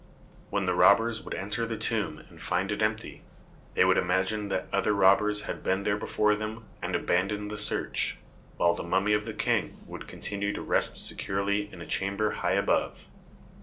When the robbers would enter the tomb and find it empty, they would imagine that other robbers had been there before them and abandon the search, while the mummy of the King would continue to rest securely in a chamber high above.